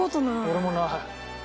俺もない。